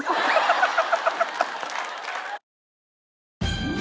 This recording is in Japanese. ハハハハ！